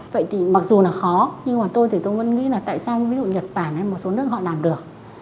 vậy thì mặc dù là khó nhưng mà tôi thì tôi vẫn nghĩ là tại sao ví dụ nhật bản hay một số nước họ làm được